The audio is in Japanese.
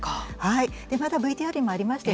まあＶＴＲにもありましたけど